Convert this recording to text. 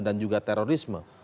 dan juga terorisme